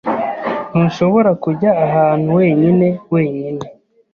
Ntushobora kujya ahantu wenyine wenyine.